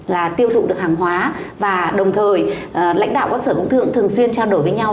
là tiêu thụ được hàng hóa và đồng thời lãnh đạo các sở công thương cũng thường xuyên trao đổi với nhau